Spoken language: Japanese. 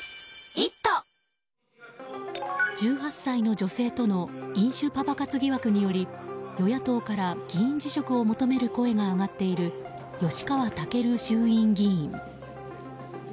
１８歳の女性との飲酒パパ活疑惑により与野党から、議員辞職を求める声が上がっている吉川赳衆院議員。